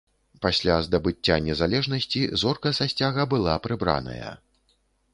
Пасля здабыцця незалежнасці зорка са сцяга была прыбраная.